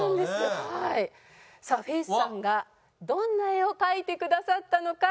さあｆａｃｅさんがどんな絵を描いてくださったのか？